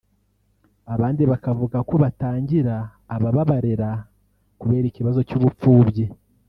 abandi bakavuga ko batangira aba barera kubera ikibazo cy’ubupfubyi